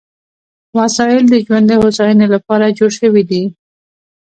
وسایل د ژوند د هوساینې لپاره جوړ شوي دي.